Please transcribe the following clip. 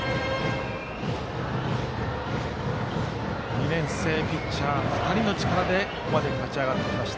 ２年生ピッチャー、２人の力でここまで勝ち上がってきました